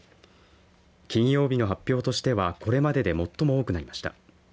金曜日の発表としてはこれまでで最も多くなりました。